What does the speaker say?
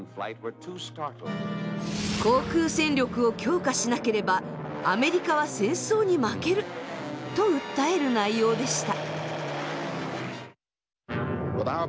航空戦力を強化しなければアメリカは戦争に負けると訴える内容でした。